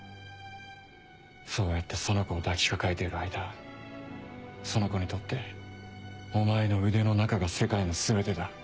そうやってその子を抱きかかえている間その子にとってお前の腕の中が世界の全てだ。